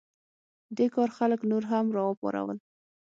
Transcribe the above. دې کار خلک نور هم راوپارول.